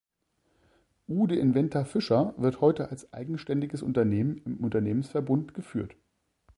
Uhde Inventa-Fischer wird heute als eigenständiges Unternehmen im Unternehmensverbund geführt.